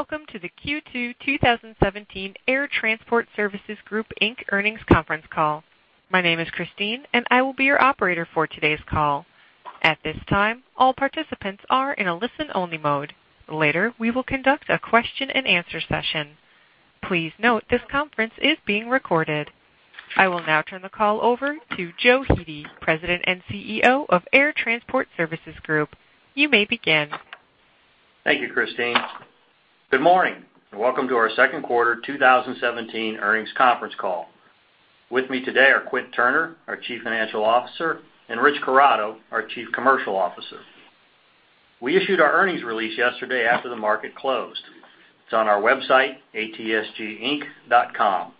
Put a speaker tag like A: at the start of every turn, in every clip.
A: Welcome to the Q2 2017 Air Transport Services Group, Inc. earnings conference call. My name is Christine, and I will be your operator for today's call. At this time, all participants are in a listen-only mode. Later, we will conduct a question and answer session. Please note this conference is being recorded. I will now turn the call over to Joe Hete, President and CEO of Air Transport Services Group. You may begin.
B: Thank you, Christine. Good morning. Welcome to our second quarter 2017 earnings conference call. With me today are Quint Turney, our Chief Financial Officer, and Rich Corrado, our Chief Commercial Officer. We issued our earnings release yesterday after the market closed. It's on our website, atsginc.com.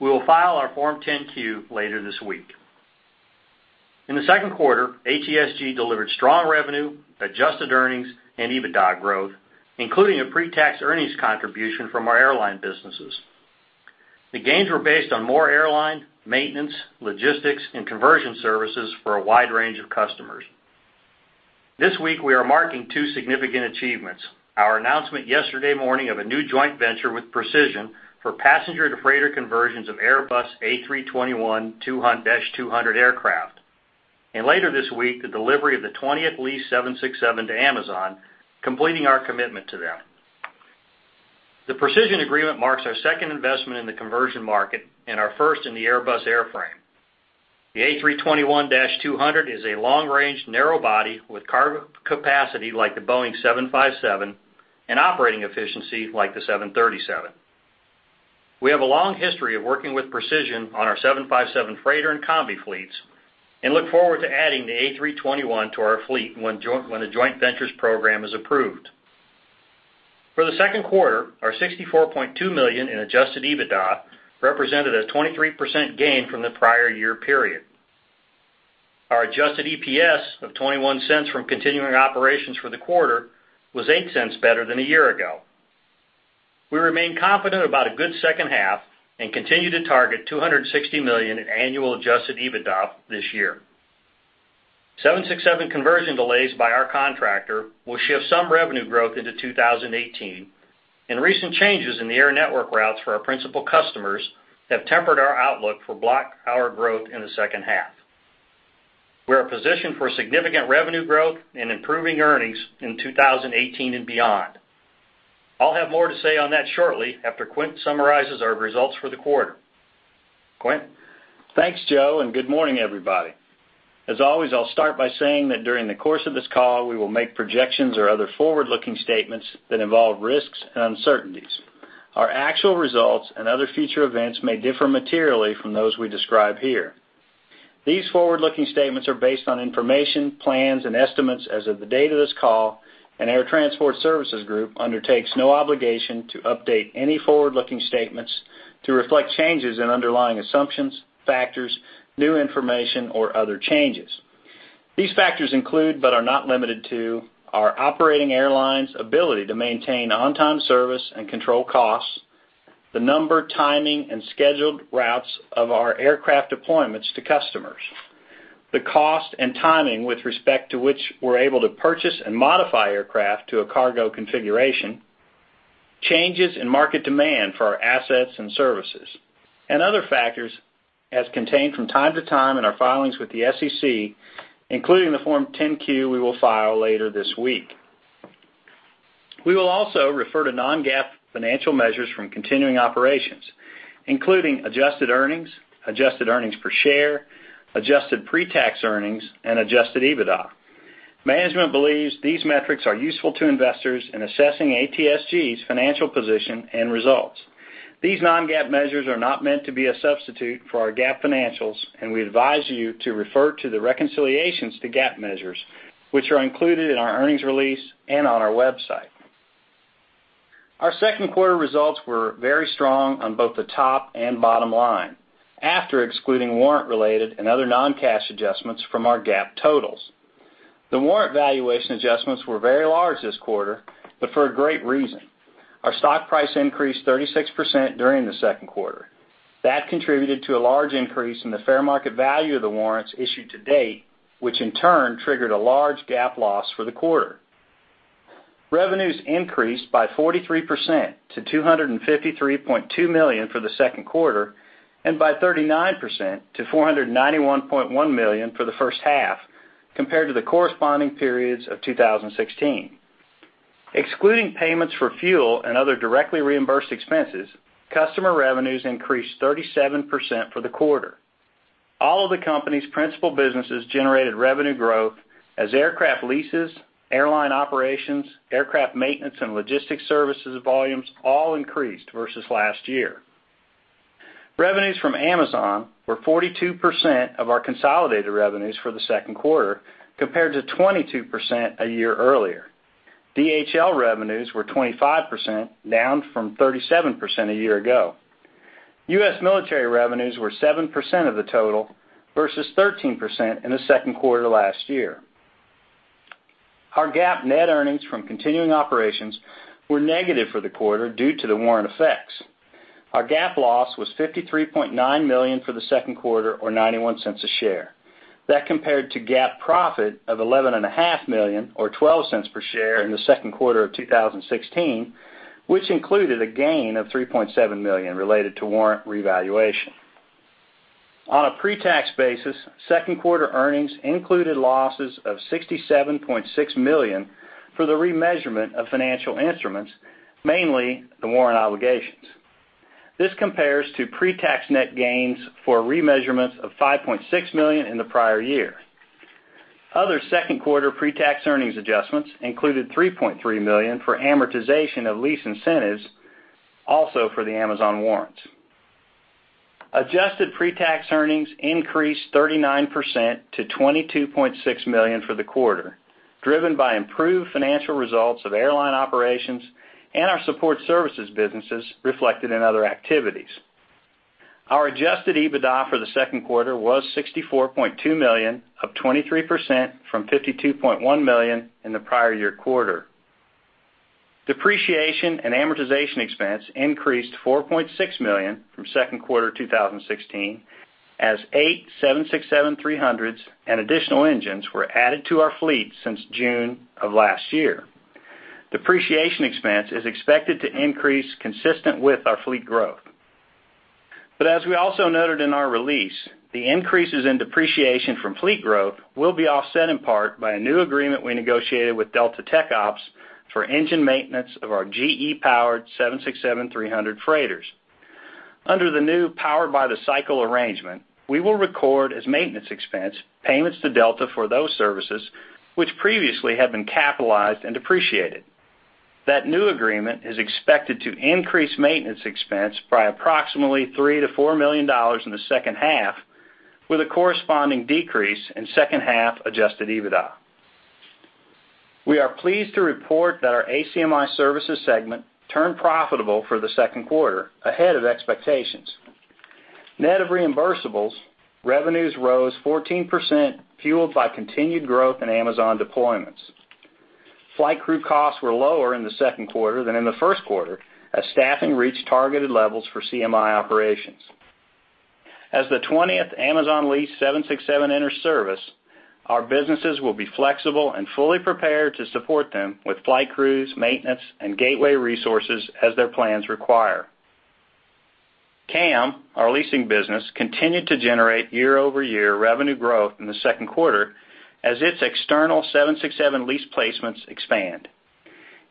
B: We will file our Form 10-Q later this week. In the second quarter, ATSG delivered strong revenue, adjusted earnings, and EBITDA growth, including a pre-tax earnings contribution from our airline businesses. The gains were based on more airline maintenance, logistics, and conversion services for a wide range of customers. This week, we are marking two significant achievements. Our announcement yesterday morning of a new joint venture with Precision for passenger-to-freighter conversions of Airbus A321-200 aircraft, and later this week, the delivery of the 20th leased 767 to Amazon, completing our commitment to them. The Precision agreement marks our second investment in the conversion market and our first in the Airbus airframe. The A321-200 is a long-range narrow body with cargo capacity like the Boeing 757 and operating efficiency like the 737. We have a long history of working with Precision on our 757 freighter and combi fleets and look forward to adding the A321 to our fleet when the joint ventures program is approved. For the second quarter, our $64.2 million in adjusted EBITDA represented a 23% gain from the prior year period. Our adjusted EPS of $0.21 from continuing operations for the quarter was $0.08 better than a year ago. We remain confident about a good second half and continue to target $260 million in annual adjusted EBITDA this year. 767 conversion delays by our contractor will shift some revenue growth into 2018. Recent changes in the air network routes for our principal customers have tempered our outlook for block hour growth in the second half. We're positioned for significant revenue growth and improving earnings in 2018 and beyond. I'll have more to say on that shortly after Quint summarizes our results for the quarter. Quint?
C: Thanks, Joe. Good morning, everybody. As always, I will start by saying that during the course of this call, we will make projections or other forward-looking statements that involve risks and uncertainties. Our actual results and other future events may differ materially from those we describe here. These forward-looking statements are based on information, plans, and estimates as of the date of this call, Air Transport Services Group undertakes no obligation to update any forward-looking statements to reflect changes in underlying assumptions, factors, new information, or other changes. These factors include, but are not limited to, our operating airlines' ability to maintain on-time service and control costs, the number, timing, and scheduled routes of our aircraft deployments to customers, the cost and timing with respect to which we're able to purchase and modify aircraft to a cargo configuration, changes in market demand for our assets and services, and other factors as contained from time to time in our filings with the SEC, including the Form 10-Q we will file later this week. We will also refer to non-GAAP financial measures from continuing operations, including adjusted earnings, adjusted earnings per share, adjusted pre-tax earnings, and adjusted EBITDA. Management believes these metrics are useful to investors in assessing ATSG's financial position and results. These non-GAAP measures are not meant to be a substitute for our GAAP financials. We advise you to refer to the reconciliations to GAAP measures, which are included in our earnings release and on our website. Our second quarter results were very strong on both the top and bottom line, after excluding warrant-related and other non-cash adjustments from our GAAP totals. The warrant valuation adjustments were very large this quarter. For a great reason, our stock price increased 36% during the second quarter. That contributed to a large increase in the fair market value of the warrants issued to date, which in turn triggered a large GAAP loss for the quarter. Revenues increased by 43% to $253.2 million for the second quarter and by 39% to $491.1 million for the first half compared to the corresponding periods of 2016. Excluding payments for fuel and other directly reimbursed expenses, customer revenues increased 37% for the quarter. All of the company's principal businesses generated revenue growth as aircraft leases, airline operations, aircraft maintenance, and logistics services volumes all increased versus last year. Revenues from Amazon were 42% of our consolidated revenues for the second quarter, compared to 22% a year earlier. DHL revenues were 25%, down from 37% a year ago. U.S. Military revenues were 7% of the total versus 13% in the second quarter last year. Our GAAP net earnings from continuing operations were negative for the quarter due to the warrant effects. Our GAAP loss was $53.9 million for the second quarter, or $0.91 a share. That compared to GAAP profit of $11.5 million or $0.12 per share in the second quarter of 2016, which included a gain of $3.7 million related to warrant revaluation. On a pre-tax basis, second quarter earnings included losses of $67.6 million for the remeasurement of financial instruments, mainly the warrant obligations. This compares to pre-tax net gains for remeasurements of $5.6 million in the prior year. Other second-quarter pre-tax earnings adjustments included $3.3 million for amortization of lease incentives, also for the Amazon warrants. Adjusted pre-tax earnings increased 39% to $22.6 million for the quarter, driven by improved financial results of airline operations and our support services businesses reflected in other activities. Our adjusted EBITDA for the second quarter was $64.2 million, up 23% from $52.1 million in the prior year quarter. Depreciation and amortization expense increased $4.6 million from second quarter 2016, as eight 767-300s and additional engines were added to our fleet since June of last year. Depreciation expense is expected to increase consistent with our fleet growth. As we also noted in our release, the increases in depreciation from fleet growth will be offset in part by a new agreement we negotiated with Delta TechOps for engine maintenance of our GE-powered 767-300 freighters. Under the new power by cycle arrangement, we will record as maintenance expense payments to Delta for those services, which previously had been capitalized and depreciated. That new agreement is expected to increase maintenance expense by approximately $3 million to $4 million in the second half, with a corresponding decrease in second-half adjusted EBITDA. We are pleased to report that our ACMI services segment turned profitable for the second quarter, ahead of expectations. Net of reimbursables, revenues rose 14%, fueled by continued growth in Amazon deployments. Flight crew costs were lower in the second quarter than in the first quarter, as staffing reached targeted levels for CMI operations. As the 20th Amazon leased 767 entered service, our businesses will be flexible and fully prepared to support them with flight crews, maintenance, and gateway resources as their plans require. CAM, our leasing business, continued to generate year-over-year revenue growth in the second quarter as its external 767 lease placements expand.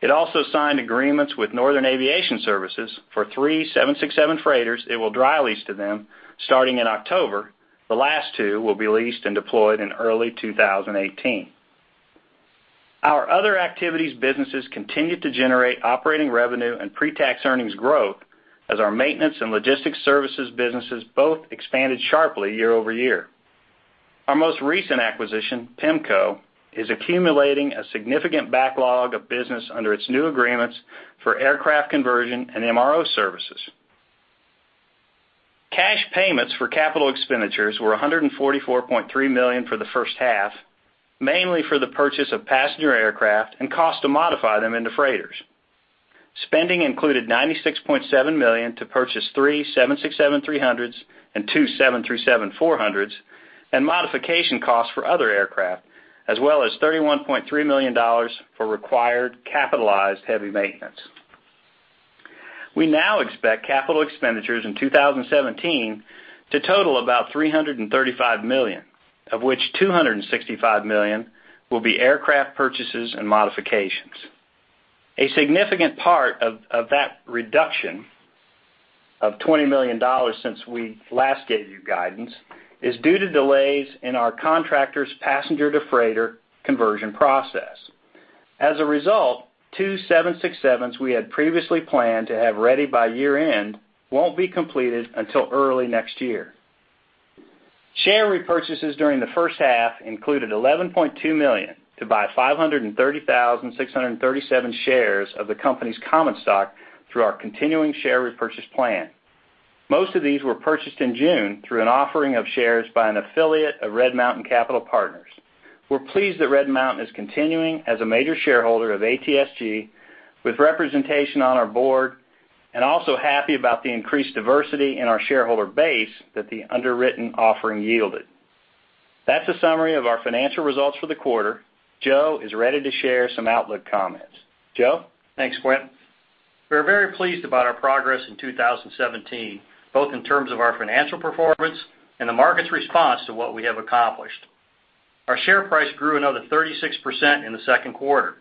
C: It also signed agreements with Northern Aviation Services for three 767 freighters it will dry lease to them starting in October. The last two will be leased and deployed in early 2018. Our other activities businesses continued to generate operating revenue and pre-tax earnings growth as our maintenance and logistics services businesses both expanded sharply year-over-year. Our most recent acquisition, Pemco, is accumulating a significant backlog of business under its new agreements for aircraft conversion and MRO services. Cash payments for capital expenditures were $144.3 million for the first half, mainly for the purchase of passenger aircraft and cost to modify them into freighters. Spending included $96.7 million to purchase three 767-300s and two 737-400s, and modification costs for other aircraft, as well as $31.3 million for required capitalized heavy maintenance. We now expect capital expenditures in 2017 to total about $335 million, of which $265 million will be aircraft purchases and modifications. A significant part of that reduction of $20 million since we last gave you guidance is due to delays in our contractors' passenger-to-freighter conversion process. As a result, two 767s we had previously planned to have ready by year-end won't be completed until early next year. Share repurchases during the first half included $11.2 million to buy 530,637 shares of the company's common stock through our continuing share repurchase plan. Most of these were purchased in June through an offering of shares by an affiliate of Red Mountain Capital Partners. We're pleased that Red Mountain is continuing as a major shareholder of ATSG with representation on our board, and also happy about the increased diversity in our shareholder base that the underwritten offering yielded. That's a summary of our financial results for the quarter. Joe is ready to share some outlook comments. Joe?
B: Thanks, Quint. We are very pleased about our progress in 2017, both in terms of our financial performance and the market's response to what we have accomplished. Our share price grew another 36% in the second quarter.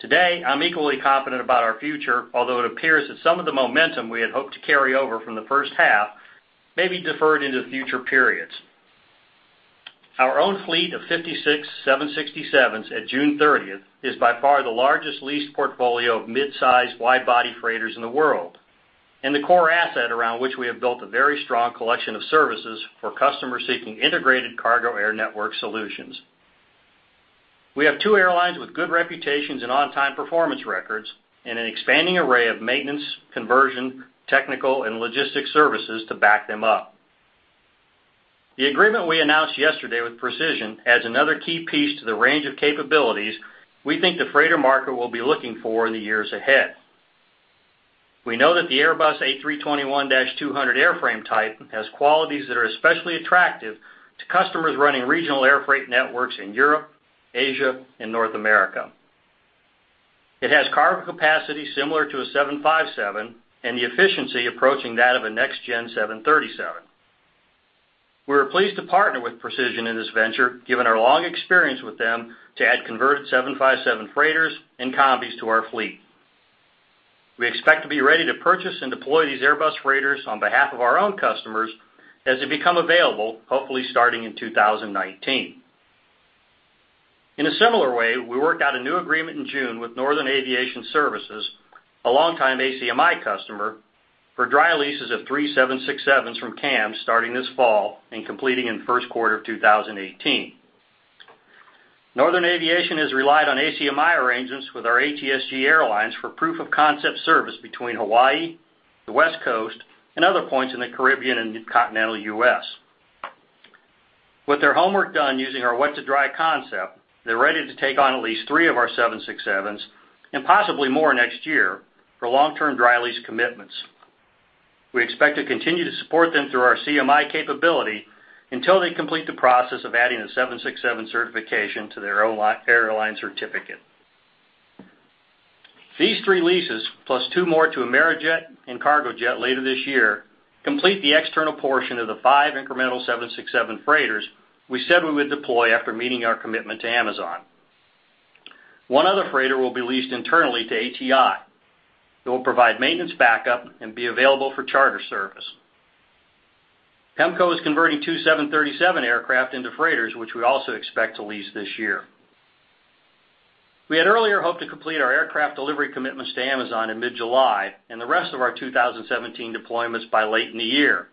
B: Today, I'm equally confident about our future, although it appears that some of the momentum we had hoped to carry over from the first half may be deferred into future periods. Our own fleet of 56 767s at June 30th is by far the largest leased portfolio of midsize, wide-body freighters in the world, and the core asset around which we have built a very strong collection of services for customers seeking integrated cargo air network solutions. We have two airlines with good reputations and on-time performance records and an expanding array of maintenance, conversion, technical, and logistics services to back them up. The agreement we announced yesterday with Precision adds another key piece to the range of capabilities we think the freighter market will be looking for in the years ahead. We know that the Airbus A321-200 airframe type has qualities that are especially attractive to customers running regional air freight networks in Europe, Asia, and North America. It has cargo capacity similar to a 757 and the efficiency approaching that of a next-gen 737. We were pleased to partner with Precision in this venture, given our long experience with them to add converted 757 freighters and combis to our fleet. We expect to be ready to purchase and deploy these Airbus freighters on behalf of our own customers as they become available, hopefully starting in 2019. In a similar way, we worked out a new agreement in June with Northern Aviation Services, a longtime ACMI customer, for dry leases of three 767s from CAM starting this fall and completing in the first quarter of 2018. Northern Aviation has relied on ACMI arrangements with our ATSG Airlines for proof of concept service between Hawaii, the West Coast, and other points in the Caribbean and continental U.S. With their homework done using our wet-to-dry concept, they're ready to take on at least three of our 767s and possibly more next year for long-term dry lease commitments. We expect to continue to support them through our CMI capability until they complete the process of adding a 767 certification to their airline certificate. These three leases, plus two more to Amerijet and Cargojet later this year, complete the external portion of the five incremental 767 freighters we said we would deploy after meeting our commitment to Amazon. One other freighter will be leased internally to ATI. It will provide maintenance backup and be available for charter service. Pemco is converting two 737 aircraft into freighters, which we also expect to lease this year. We had earlier hoped to complete our aircraft delivery commitments to Amazon in mid-July and the rest of our 2017 deployments by late in the year.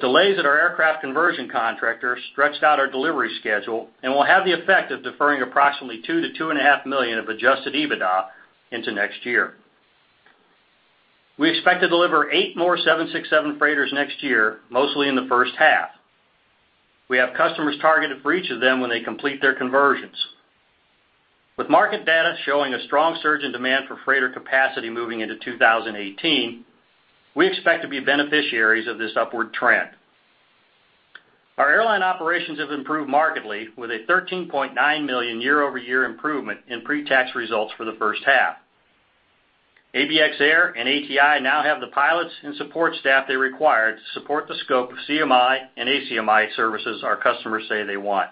B: Delays at our aircraft conversion contractor stretched out our delivery schedule and will have the effect of deferring approximately $2 million to two and a half million of adjusted EBITDA into next year. We expect to deliver eight more 767 freighters next year, mostly in the first half. We have customers targeted for each of them when they complete their conversions. With market data showing a strong surge in demand for freighter capacity moving into 2018, we expect to be beneficiaries of this upward trend. Our airline operations have improved markedly with a $13.9 million year-over-year improvement in pre-tax results for the first half. ABX Air and ATI now have the pilots and support staff they require to support the scope of CMI and ACMI services our customers say they want.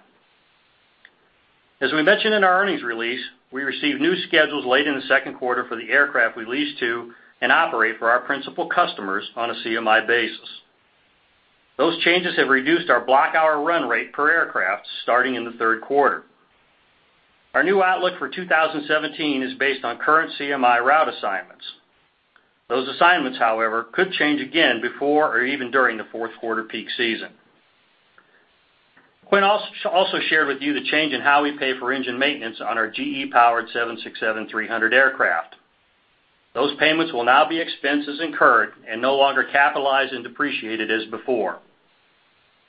B: As we mentioned in our earnings release, we received new schedules late in the second quarter for the aircraft we lease to and operate for our principal customers on a CMI basis. Those changes have reduced our block hour run rate per aircraft starting in the third quarter. Our new outlook for 2017 is based on current CMI route assignments. Those assignments, however, could change again before or even during the fourth quarter peak season. Quint also shared with you the change in how we pay for engine maintenance on our GE-powered 767-300 aircraft. Those payments will now be expenses incurred and no longer capitalized and depreciated as before.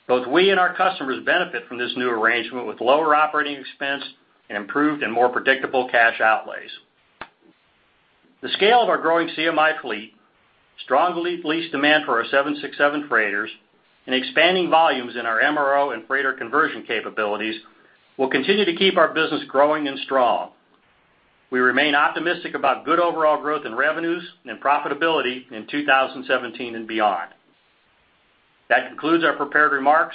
B: Both we and our customers benefit from this new arrangement with lower operating expense and improved and more predictable cash outlays. The scale of our growing CMI fleet, strong lease demand for our 767 freighters, and expanding volumes in our MRO and freighter conversion capabilities will continue to keep our business growing and strong. We remain optimistic about good overall growth in revenues and profitability in 2017 and beyond. That concludes our prepared remarks.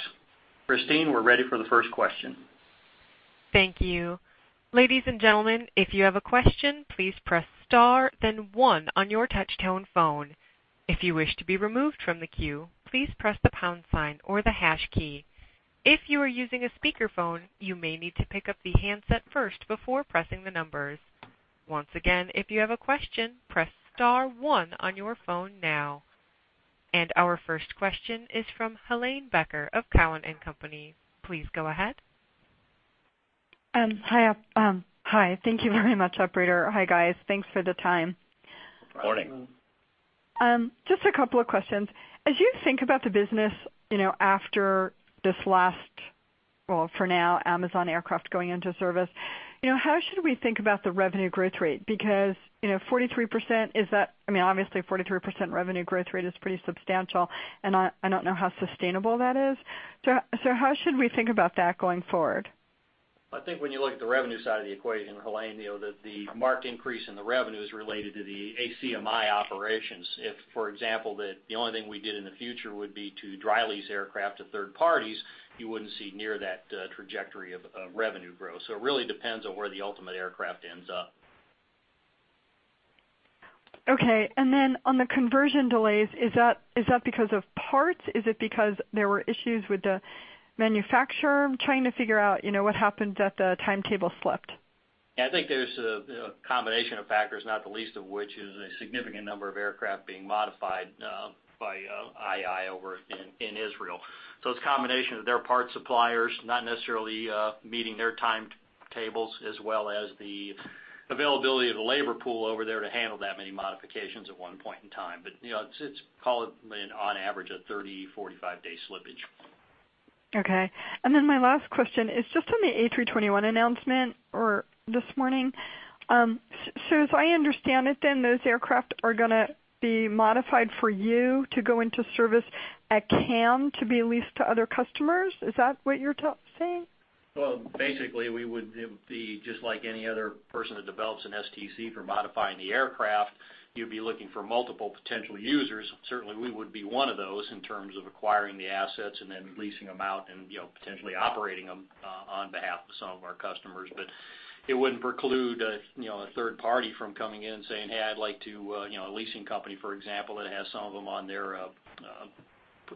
B: Christine, we're ready for the first question.
A: Thank you. Ladies and gentlemen, if you have a question, please press star then one on your touchtone phone. If you wish to be removed from the queue, please press the pound sign or the hash key. If you are using a speakerphone, you may need to pick up the handset first before pressing the numbers. Once again, if you have a question, press star one on your phone now. Our first question is from Helane Becker of Cowen and Company. Please go ahead.
D: Hi. Thank you very much, operator. Hi, guys. Thanks for the time.
B: Good morning.
D: Just a couple of questions. As you think about the business after this last, well, for now, Amazon aircraft going into service, how should we think about the revenue growth rate? Because obviously, 43% revenue growth rate is pretty substantial, and I don't know how sustainable that is. How should we think about that going forward?
B: I think when you look at the revenue side of the equation, Helane, the marked increase in the revenue is related to the ACMI operations. If, for example, the only thing we did in the future would be to dry lease aircraft to third parties, you wouldn't see near that trajectory of revenue growth. It really depends on where the ultimate aircraft ends up.
D: Okay. On the conversion delays, is that because of parts? Is it because there were issues with the manufacturer? I'm trying to figure out what happened that the timetable slipped.
B: I think there's a combination of factors, not the least of which is a significant number of aircraft being modified by IAI over in Israel. It's a combination of their parts suppliers not necessarily meeting their timetables, as well as the availability of the labor pool over there to handle that many modifications at one point in time. It's on average a 30, 45-day slippage.
D: Okay. My last question is just on the A321 announcement this morning. As I understand it then, those aircraft are going to be modified for you to go into service at CAM to be leased to other customers. Is that what you're saying?
B: Well, basically, it would be just like any other person that develops an STC for modifying the aircraft, you'd be looking for multiple potential users. Certainly, we would be one of those in terms of acquiring the assets and then leasing them out and potentially operating them on behalf of some of our customers. It wouldn't preclude a third party from coming in and saying, "Hey," A leasing company, for example, that has some of them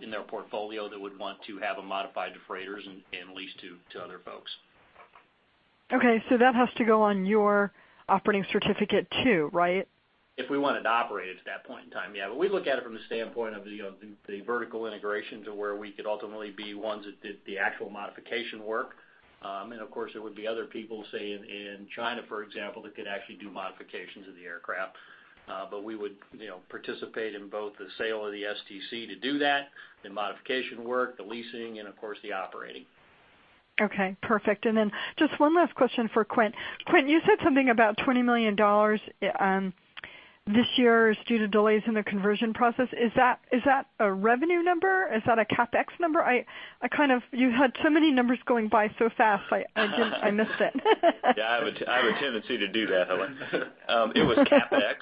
B: in their portfolio that would want to have them modified to freighters and leased to other folks.
D: Okay. That has to go on your operating certificate too, right?
B: If we wanted to operate it at that point in time, yeah. We look at it from the standpoint of the vertical integration to where we could ultimately be ones that did the actual modification work. Of course, there would be other people, say, in China, for example, that could actually do modifications of the aircraft. We would participate in both the sale of the STC to do that, the modification work, the leasing, and of course, the operating.
D: Okay, perfect. Then just one last question for Quint. Quint, you said something about $20 million this year is due to delays in the conversion process. Is that a revenue number? Is that a CapEx number? You had so many numbers going by so fast, I missed it.
C: Yeah, I have a tendency to do that, Helane. It was CapEx.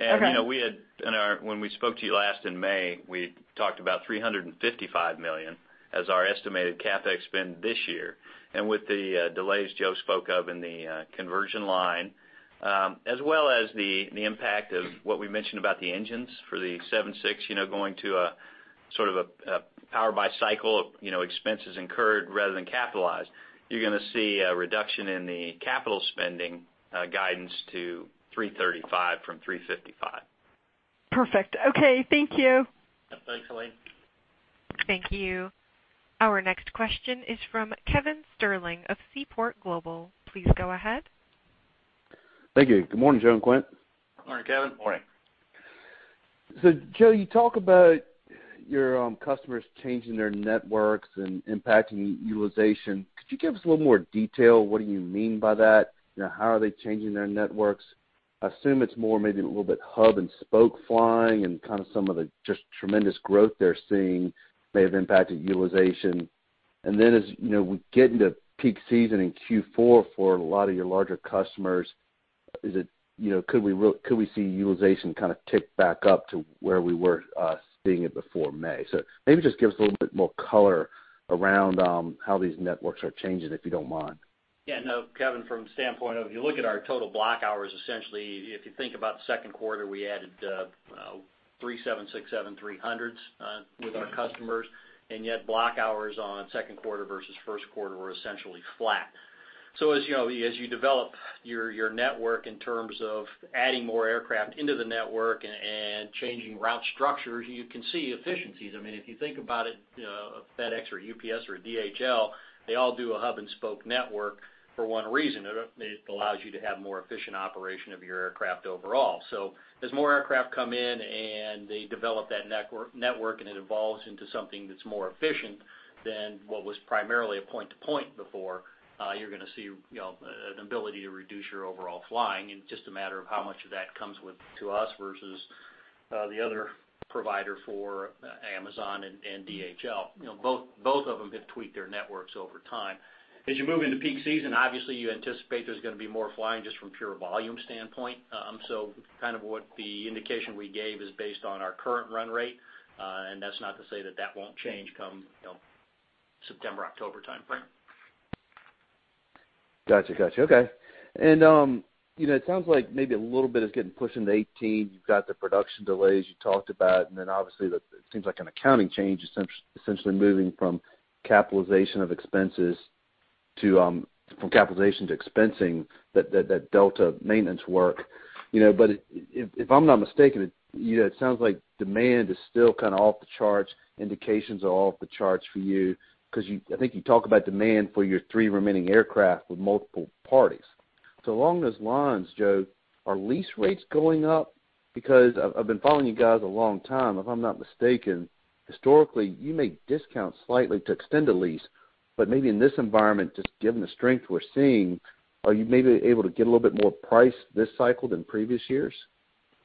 D: Okay.
C: When we spoke to you last in May, we talked about $355 million as our estimated CapEx spend this year. With the delays Joe spoke of in the conversion line, as well as the impact of what we mentioned about the engines for the 767, going to a power by cycle of expenses incurred rather than capitalized, you're going to see a reduction in the capital spending guidance to $335 from $355.
D: Perfect. Okay, thank you.
B: Thanks, Helane.
A: Thank you. Our next question is from Kevin Sterling of Seaport Global. Please go ahead.
E: Thank you. Good morning, Joe and Quint.
B: Good morning, Kevin.
C: Good morning.
E: Joe, you talk about your customers changing their networks and impacting utilization. Could you give us a little more detail? What do you mean by that? How are they changing their networks? I assume it's more maybe a little bit hub and spoke flying and kind of some of the just tremendous growth they're seeing may have impacted utilization. And then as we get into peak season in Q4 for a lot of your larger customers, could we see utilization kind of tick back up to where we were seeing it before May? Maybe just give us a little bit more color around how these networks are changing, if you don't mind.
B: Yeah, no, Kevin, from the standpoint of, you look at our total block hours, essentially, if you think about the second quarter, we added three Boeing 767-300s with our customers, and yet block hours on second quarter versus first quarter were essentially flat. As you develop your network in terms of adding more aircraft into the network and changing route structures, you can see efficiencies. If you think about it, FedEx or UPS or DHL, they all do a hub and spoke network for one reason. It allows you to have more efficient operation of your aircraft overall. As more aircraft come in and they develop that network, and it evolves into something that's more efficient than what was primarily a point-to-point before, you're going to see an ability to reduce your overall flying, and just a matter of how much of that comes to us versus the other provider for Amazon and DHL. Both of them have tweaked their networks over time. You move into peak season, obviously, you anticipate there's going to be more flying just from a pure volume standpoint. Kind of what the indication we gave is based on our current run rate. That's not to say that that won't change come September, October timeframe.
E: Got you. Okay. It sounds like maybe a little bit is getting pushed into 2018. You've got the production delays you talked about, and then obviously, it seems like an accounting change, essentially moving from capitalization to expensing that Delta maintenance work. If I'm not mistaken, it sounds like demand is still kind of off the charts, indications are off the charts for you, because I think you talk about demand for your three remaining aircraft with multiple parties. Along those lines, Joe, are lease rates going up? I've been following you guys a long time. If I'm not mistaken, historically, you may discount slightly to extend a lease, but maybe in this environment, just given the strength we're seeing, are you maybe able to get a little bit more price this cycle than previous years?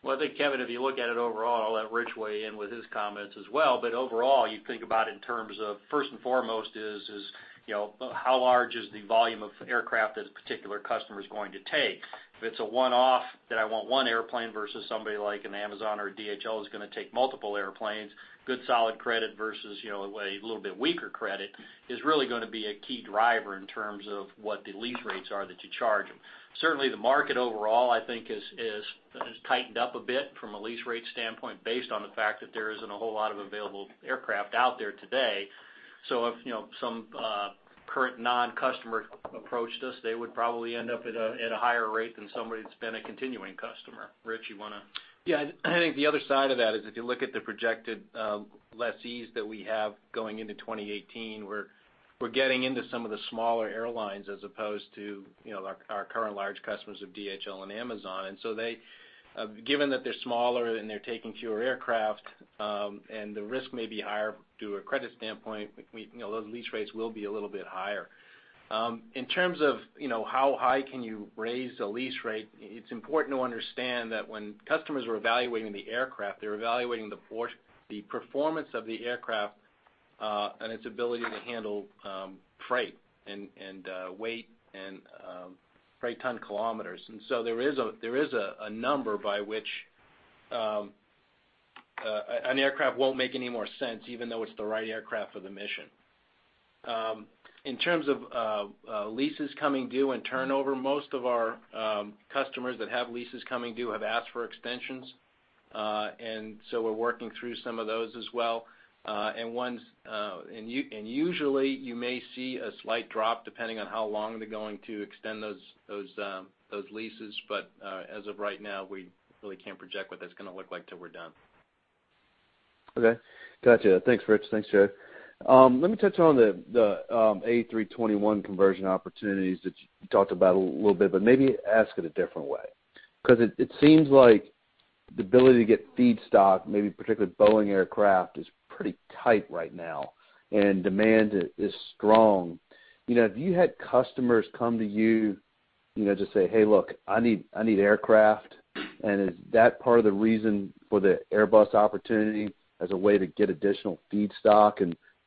B: I think, Kevin, if you look at it overall, I'll let Rich weigh in with his comments as well, but overall, you think about in terms of first and foremost is, how large is the volume of aircraft that a particular customer is going to take? If it's a one-off that I want one airplane versus somebody like an Amazon or a DHL is going to take multiple airplanes, good solid credit versus a little bit weaker credit is really going to be a key driver in terms of what the lease rates are that you charge them. Certainly, the market overall, I think, has tightened up a bit from a lease rate standpoint based on the fact that there isn't a whole lot of available aircraft out there today. If some current non-customer approached us, they would probably end up at a higher rate than somebody that's been a continuing customer. Rich, you want to?
F: Yeah. I think the other side of that is if you look at the projected lessees that we have going into 2018, we're We're getting into some of the smaller airlines as opposed to our current large customers of DHL and Amazon. Given that they're smaller and they're taking fewer aircraft, and the risk may be higher to a credit standpoint, those lease rates will be a little bit higher. In terms of how high can you raise a lease rate, it's important to understand that when customers are evaluating the aircraft, they're evaluating the performance of the aircraft, and its ability to handle freight, and weight and freight ton kilometers. There is a number by which an aircraft won't make any more sense, even though it's the right aircraft for the mission. In terms of leases coming due and turnover, most of our customers that have leases coming due have asked for extensions. We're working through some of those as well. Usually you may see a slight drop depending on how long they're going to extend those leases, but, as of right now, we really can't project what that's going to look like till we're done.
E: Okay. Gotcha. Thanks, Rich. Thanks, Joe. Let me touch on the Airbus A321 conversion opportunities that you talked about a little bit, but maybe ask it a different way, because it seems like the ability to get feedstock, maybe particularly with Boeing aircraft, is pretty tight right now, and demand is strong. Have you had customers come to you to say, "Hey, look, I need aircraft," and is that part of the reason for the Airbus opportunity as a way to get additional feedstock?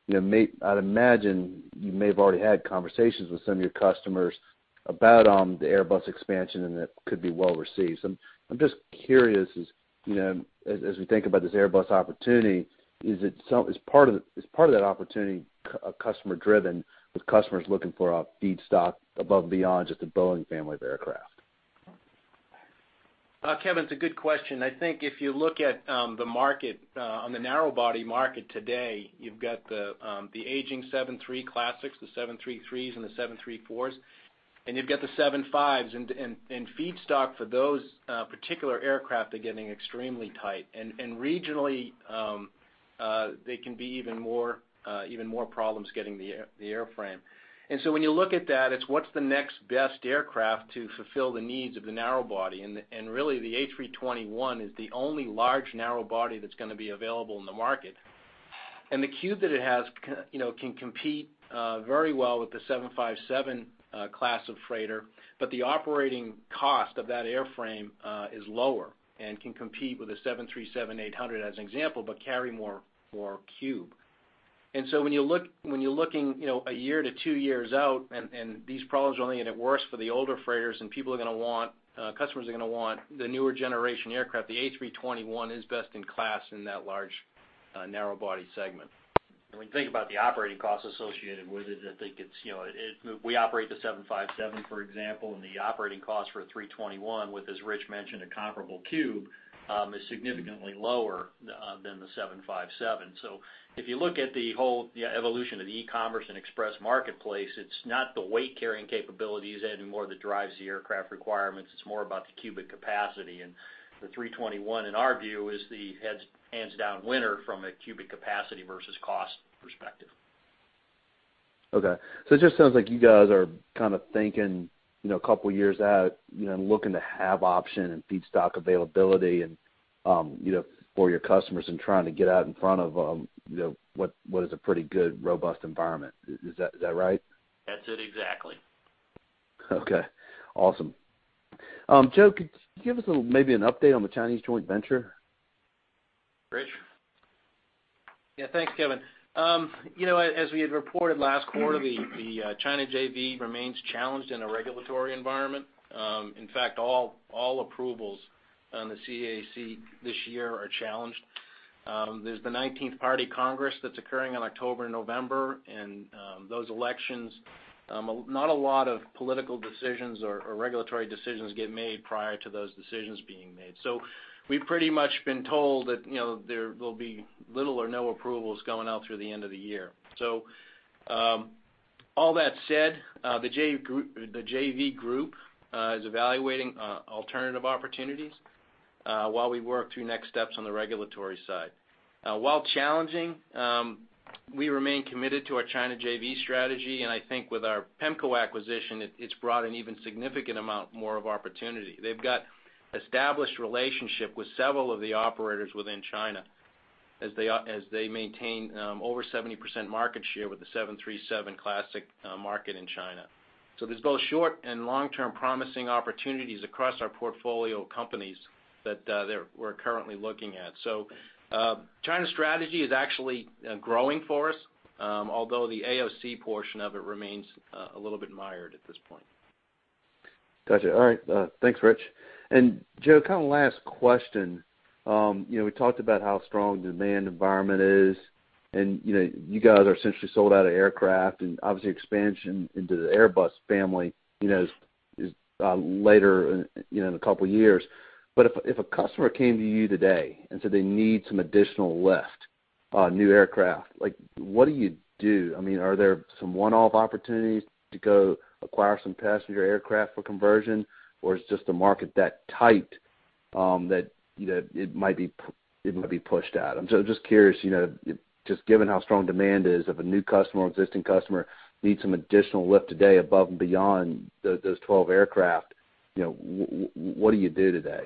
E: I'd imagine you may have already had conversations with some of your customers about the Airbus expansion, and that could be well-received. I'm just curious, as we think about this Airbus opportunity, is part of that opportunity customer driven with customers looking for a feedstock above and beyond just the Boeing family of aircraft?
F: Kevin, it's a good question. I think if you look at the narrow body market today, you've got the aging 737 Classic, the 737-300s and the 737-400s, and you've got the 757s. Feedstock for those particular aircraft are getting extremely tight. Regionally, there can be even more problems getting the airframe. When you look at that, it's what's the next best aircraft to fulfill the needs of the narrow body? Really, the A321 is the only large narrow body that's going to be available in the market. The cube that it has can compete very well with the 757 class of freighter, but the operating cost of that airframe is lower and can compete with a 737-800 as an example, but carry more cube. When you're looking a year to two years out, and these problems are only going to get worse for the older freighters and customers are going to want the newer generation aircraft, the A321 is best in class in that large narrow body segment.
B: When you think about the operating costs associated with it, we operate the 757, for example, and the operating cost for an A321 with, as Rich mentioned, a comparable cube, is significantly lower than the 757. If you look at the whole evolution of the e-commerce and express marketplace, it's not the weight-carrying capabilities anymore that drives the aircraft requirements, it's more about the cubic capacity. The A321, in our view, is the hands down winner from a cubic capacity versus cost perspective.
E: Okay. It just sounds like you guys are kind of thinking a couple of years out, and looking to have option and feedstock availability for your customers and trying to get out in front of what is a pretty good, robust environment. Is that right?
B: That's it exactly.
E: Okay. Awesome. Joe, could you give us maybe an update on the Chinese joint venture?
B: Rich?
F: Thanks, Kevin. As we had reported last quarter, the China JV remains challenged in a regulatory environment. In fact, all approvals on the CAAC this year are challenged. There's the 19th Party Congress that's occurring in October, November. Those elections, not a lot of political decisions or regulatory decisions get made prior to those decisions being made. We've pretty much been told that there will be little or no approvals going out through the end of the year. All that said, the JV group is evaluating alternative opportunities, while we work through next steps on the regulatory side. While challenging, we remain committed to our China JV strategy, and I think with our Pemco acquisition, it's brought an even significant amount more of opportunity.
B: They've got established relationship with several of the operators within China as they maintain over 70% market share with the 737 Classic market in China. There's both short and long-term promising opportunities across our portfolio companies that we're currently looking at. China strategy is actually growing for us, although the AOC portion of it remains a little bit mired at this point.
E: Got you. All right. Thanks, Rich. Joe, kind of last question. We talked about how strong the demand environment is, and you guys are essentially sold out of aircraft, and obviously expansion into the Airbus family is later in a couple of years. If a customer came to you today and said they need some additional lift, new aircraft, what do you do? Are there some one-off opportunities to go acquire some passenger aircraft for conversion, or is just the market that tight that it might be pushed out? I'm just curious, just given how strong demand is, if a new customer or existing customer needs some additional lift today above and beyond those 12 aircraft, what do you do today?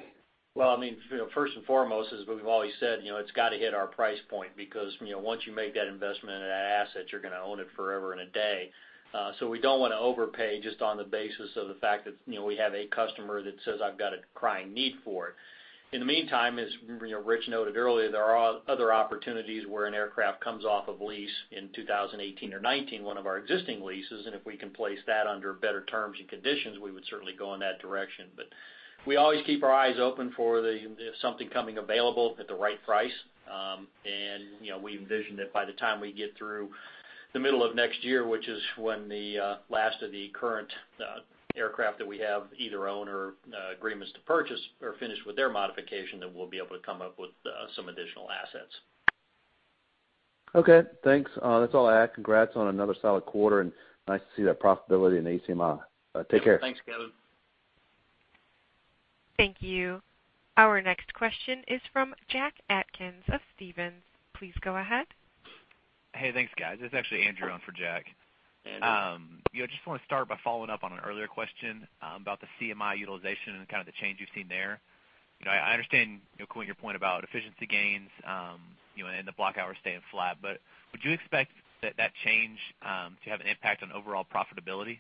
B: First and foremost, as we've always said, it's got to hit our price point because once you make that investment in that asset, you're going to own it forever and a day. We don't want to overpay just on the basis of the fact that we have a customer that says, "I've got a crying need for it." In the meantime, as Rich Corrado noted earlier, there are other opportunities where an aircraft comes off of lease in 2018 or 2019, one of our existing leases, and if we can place that under better terms and conditions, we would certainly go in that direction. We always keep our eyes open for something coming available at the right price. We envision that by the time we get through the middle of next year, which is when the last of the current aircraft that we have either own or agreements to purchase, are finished with their modification, then we'll be able to come up with some additional assets.
E: Okay, thanks. That's all I had. Congrats on another solid quarter, and nice to see that profitability in ACMI. Take care.
B: Thanks, Kevin.
A: Thank you. Our next question is from Jack Atkins of Stephens. Please go ahead.
G: Hey, thanks, guys. It's actually Andrew on for Jack.
B: Andrew.
G: Just want to start by following up on an earlier question about the CMI utilization and kind of the change you've seen there. I understand your point about efficiency gains, and the block hours staying flat, but would you expect that change to have an impact on overall profitability?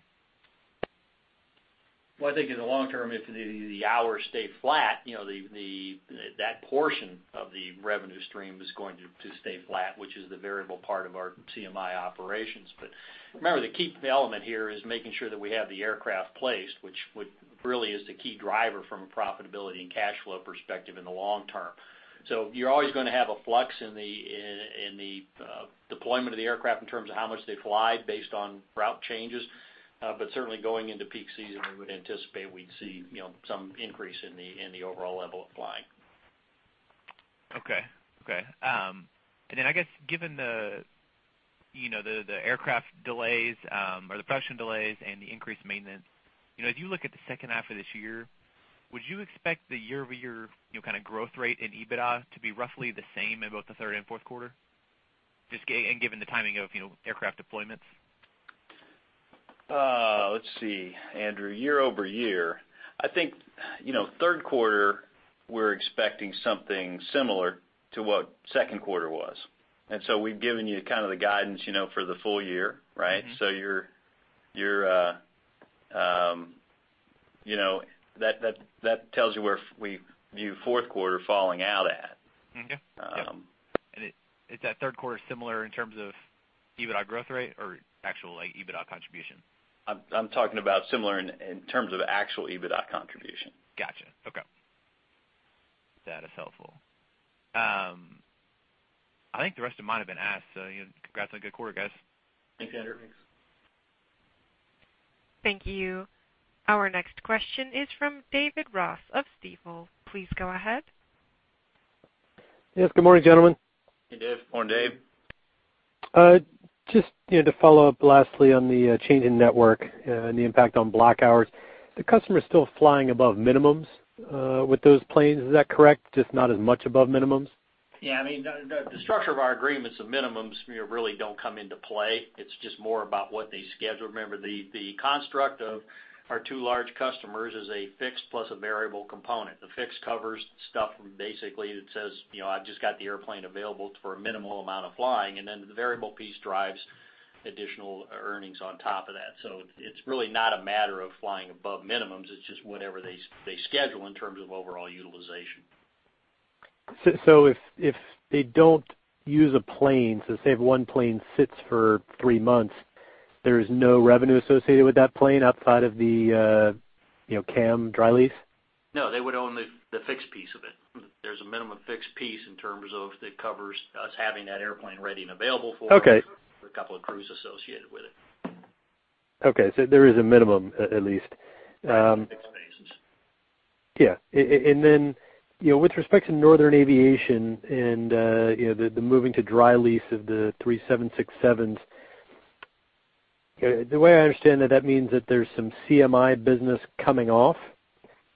B: I think in the long term, if the hours stay flat, that portion of the revenue stream is going to stay flat, which is the variable part of our CMI operations. Remember, the key element here is making sure that we have the aircraft placed, which really is the key driver from a profitability and cash flow perspective in the long term. You're always going to have a flux in the deployment of the aircraft in terms of how much they fly based on route changes. Certainly, going into peak season, we would anticipate we'd see some increase in the overall level of flying.
G: Okay. I guess, given the aircraft delays, or the production delays, and the increased maintenance, as you look at the second half of this year, would you expect the year-over-year kind of growth rate in EBITDA to be roughly the same in both the third and fourth quarter? Given the timing of aircraft deployments?
B: Let's see, Andrew. Year-over-year, I think, third quarter, we're expecting something similar to what second quarter was. We've given you kind of the guidance for the full year, right? That tells you where we view fourth quarter falling out at.
G: Is that third quarter similar in terms of EBITDA growth rate or actual EBITDA contribution?
B: I'm talking about similar in terms of actual EBITDA contribution.
G: Got you. Okay. That is helpful. I think the rest of mine have been asked, so congrats on a good quarter, guys.
B: Thanks, Andrew.
A: Thank you. Our next question is from David Ross of Stifel. Please go ahead.
H: Yes, good morning, gentlemen.
B: Hey, Dave.
F: Morning, Dave.
H: Just to follow up lastly on the change in network and the impact on block hours. The customer's still flying above minimums with those planes, is that correct? Just not as much above minimums?
B: Yeah, the structure of our agreements, the minimums really don't come into play. It's just more about what they schedule. Remember, the construct of our two large customers is a fixed plus a variable component. The fixed covers stuff basically that says, "I've just got the airplane available for a minimal amount of flying." The variable piece drives additional earnings on top of that. It's really not a matter of flying above minimums, it's just whatever they schedule in terms of overall utilization.
H: If they don't use a plane, so say if one plane sits for three months, there's no revenue associated with that plane outside of the CAM dry lease?
B: No, they would own the fixed piece of it. There's a minimum fixed piece in terms of it covers us having that airplane ready and available for them.
H: Okay.
B: A couple of crews associated with it.
H: Okay, there is a minimum, at least.
B: Right, the fixed basis.
H: Yeah. With respect to Northern Aviation and the moving to dry lease of the three 767s, the way I understand that means that there's some CMI business coming off.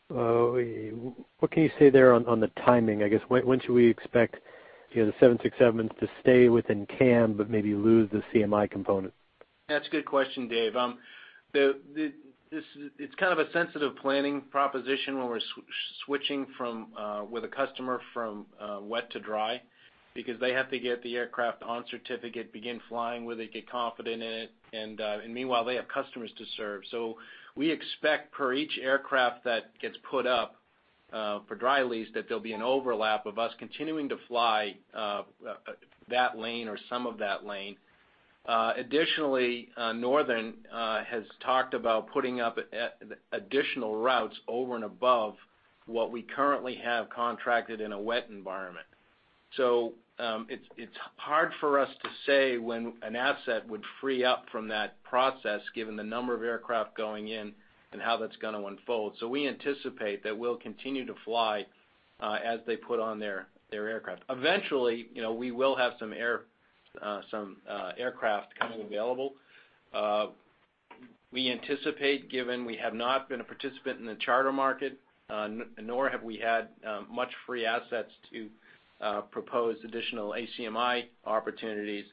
H: What can you say there on the timing? I guess, when should we expect the 767s to stay within CAM, but maybe lose the CMI component?
B: That's a good question, Dave. It's kind of a sensitive planning proposition when we're switching with a customer from wet to dry because they have to get the aircraft on certificate, begin flying with it, get confident in it, and meanwhile, they have customers to serve. We expect for each aircraft that gets put up for dry lease, that there'll be an overlap of us continuing to fly that lane or some of that lane. Additionally, Northern has talked about putting up additional routes over and above what we currently have contracted in a wet environment. It's hard for us to say when an asset would free up from that process, given the number of aircraft going in and how that's going to unfold. We anticipate that we'll continue to fly as they put on their aircraft. Eventually, we will have some aircraft coming available. We anticipate, given we have not been a participant in the charter market, nor have we had much free assets to propose additional ACMI opportunities.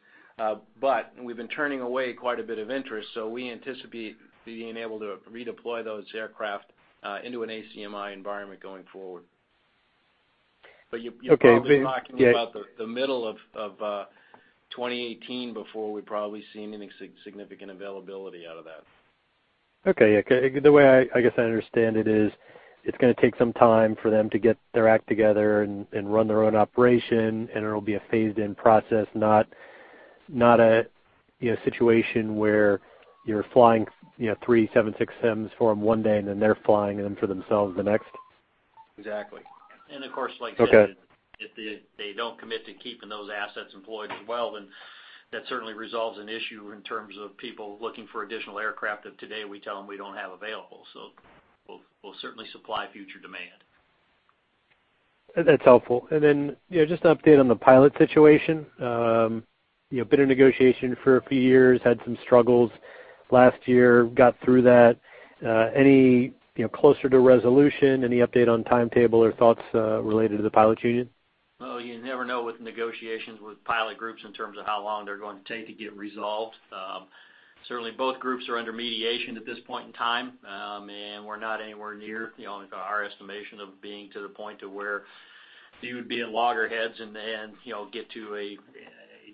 B: We've been turning away quite a bit of interest, we anticipate being able to redeploy those aircraft into an ACMI environment going forward.
H: Okay.
F: You're probably talking about the middle of 2018 before we probably see any significant availability out of that.
H: Okay. The way I guess I understand it is, it's going to take some time for them to get their act together and run their own operation, it'll be a phased-in process, not a situation where you're flying three 767s for them one day, then they're flying them for themselves the next.
F: Exactly.
B: Of course, like you said.
H: Okay
B: If they don't commit to keeping those assets employed as well, then that certainly resolves an issue in terms of people looking for additional aircraft that today we tell them we don't have available. We'll certainly supply future demand.
H: That's helpful. Then, just an update on the pilot situation. Been in negotiation for a few years, had some struggles last year, got through that. Any closer to resolution? Any update on timetable or thoughts related to the pilots' union?
B: Well, you never know with negotiations with pilot groups in terms of how long they're going to take to get resolved. Certainly, both groups are under mediation at this point in time. We're not anywhere near our estimation of being to the point to where you would be at loggerheads and then get to a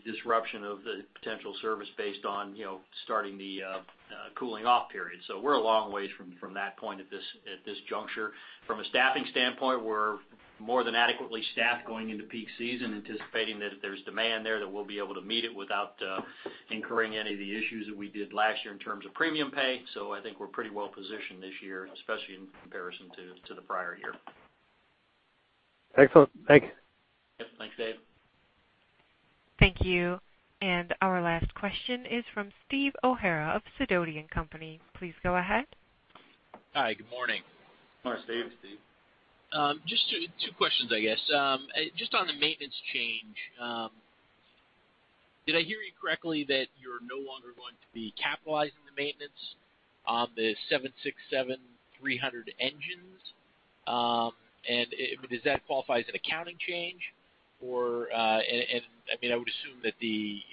B: disruption of the potential service based on starting the cooling off period. We're a long way from that point at this juncture. From a staffing standpoint, we're more than adequately staffed going into peak season, anticipating that if there's demand there, that we'll be able to meet it without incurring any of the issues that we did last year in terms of premium pay. I think we're pretty well positioned this year, especially in comparison to the prior year.
H: Excellent. Thanks.
B: Yep. Thanks, Dave.
A: Thank you. Our last question is from Steve O'Hara of Sidoti & Company. Please go ahead.
I: Hi. Good morning.
C: Morning, Steve.
B: Hi, Steve.
I: Just two questions, I guess. Just on the maintenance change, did I hear you correctly that you're no longer going to be capitalizing the maintenance on the Boeing 767-300 engines? Does that qualify as an accounting change? I would assume that maybe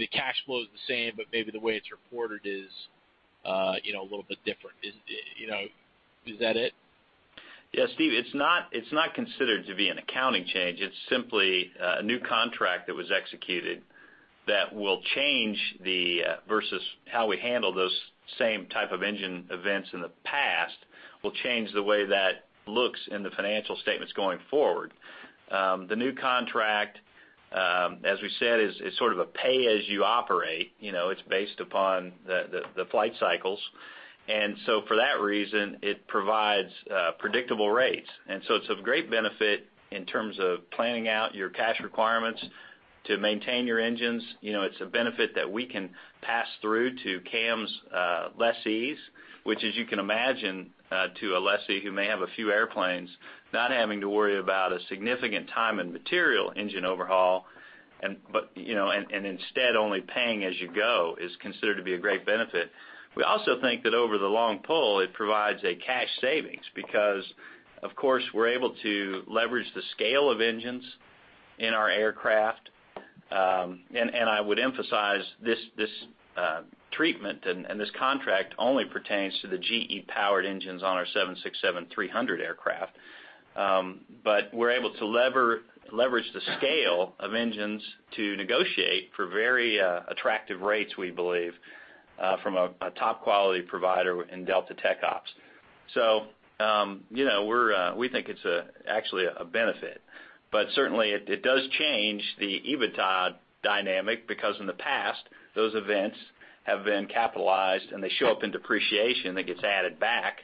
I: the cash flow is the same, but maybe the way it's reported is a little bit different. Is that it?
C: Steve, it's not considered to be an accounting change. It's simply a new contract that was executed that will change versus how we handled those same type of engine events in the past. We'll change the way that looks in the financial statements going forward. The new contract, as we said, is sort of a pay-as-you-operate. It's based upon the flight cycles. For that reason, it provides predictable rates. It's of great benefit in terms of planning out your cash requirements to maintain your engines. It's a benefit that we can pass through to CAM's lessees, which, as you can imagine, to a lessee who may have a few airplanes, not having to worry about a significant time and material engine overhaul, and instead only paying as you go, is considered to be a great benefit. We also think that over the long pull, it provides a cash savings, because, of course, we're able to leverage the scale of engines in our aircraft. I would emphasize this treatment and this contract only pertains to the GE-powered engines on our 767-300 aircraft. We're able to leverage the scale of engines to negotiate for very attractive rates, we believe, from a top-quality provider in Delta TechOps. We think it's actually a benefit. Certainly, it does change the EBITDA dynamic, because in the past, those events have been capitalized, and they show up in depreciation that gets added back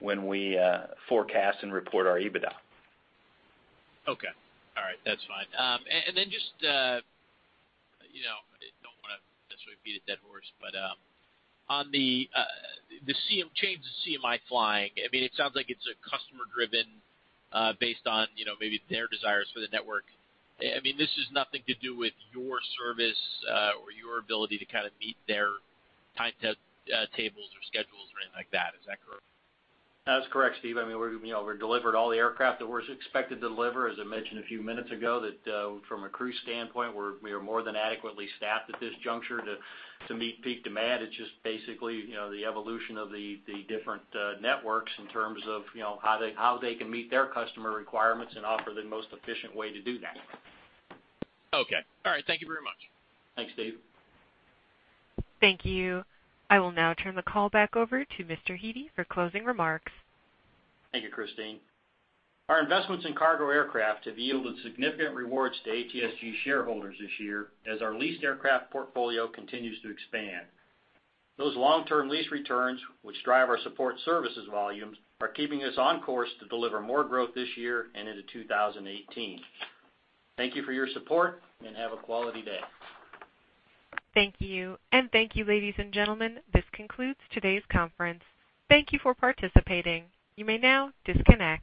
C: when we forecast and report our EBITDA.
I: Okay. All right. That's fine. I don't want to necessarily beat a dead horse, on the change to CMI flying, it sounds like it's customer driven based on maybe their desires for the network. This has nothing to do with your service or your ability to kind of meet their timetables or schedules or anything like that. Is that correct?
B: That is correct, Steve. We delivered all the aircraft that we were expected to deliver. As I mentioned a few minutes ago, that from a crew standpoint, we are more than adequately staffed at this juncture to meet peak demand. It's just basically the evolution of the different networks in terms of how they can meet their customer requirements and offer the most efficient way to do that.
I: Okay. All right. Thank you very much.
B: Thanks, Steve.
A: Thank you. I will now turn the call back over to Mr. Hete for closing remarks.
B: Thank you, Christine. Our investments in cargo aircraft have yielded significant rewards to ATSG shareholders this year as our leased aircraft portfolio continues to expand. Those long-term lease returns, which drive our support services volumes, are keeping us on course to deliver more growth this year and into 2018. Thank you for your support, and have a quality day.
A: Thank you. Thank you, ladies and gentlemen, this concludes today's conference. Thank you for participating. You may now disconnect.